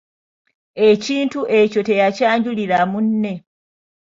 Ekintu ekyo teyakyanjulira munne.